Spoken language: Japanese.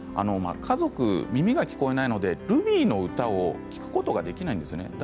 家族、耳が聞こえないのでルビーの歌を聴くことができないんですね。